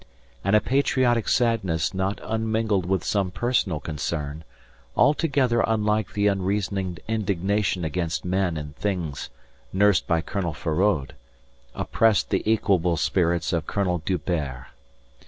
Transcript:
And a patriotic sadness not unmingled with some personal concern, altogether unlike the unreasoning indignation against men and things nursed by Colonel Feraud, oppressed the equable spirits of Colonel D'Hubert.